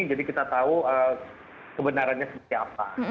jadi kita tahu kebenarannya seperti apa